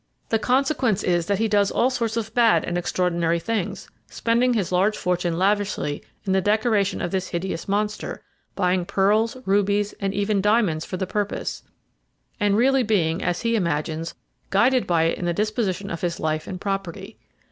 The consequence is that he does all sorts of mad and extraordinary things, spending his large fortune lavishly in the decoration of this hideous monster, buying pearls, rubies, and even diamonds for the purpose, and really being, as he imagines, guided by it in the disposition of his life and property.